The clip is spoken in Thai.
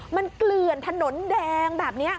มันเกลื่อนถนนแดงแบบนี้